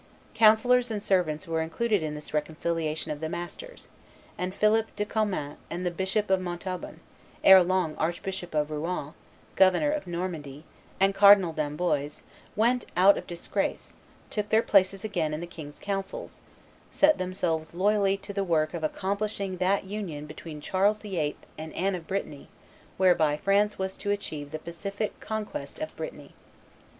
Councillors and servants were included in this reconciliation of the masters; and Philip de Commynes and the Bishop of Montauban, ere long Archbishop of Rouen, Governor of Normandy, and Cardinal d'Amboise, went out of disgrace, took their places again in the king's councils, and set themselves loyally to the work of accomplishing that union between Charles VIII. and Anne of Brittany, whereby France was to achieve the pacific conquest of Brittany.